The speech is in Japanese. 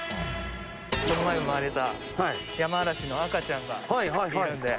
この前生まれたヤマアラシの赤ちゃんがいるんで。